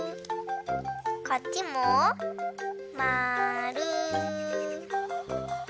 こっちもまる。